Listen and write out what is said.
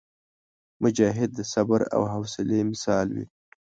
مجاهد د صبر او حوصلي مثال وي.